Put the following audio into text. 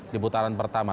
di putaran pertama